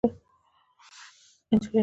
نجلۍ هغه پورته کړ.